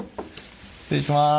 失礼します。